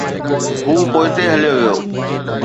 هو پوئتي هليو ويو.